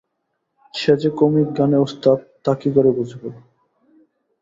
সে যে কমিক গানে ওস্তাদ তা কী করে বুঝব।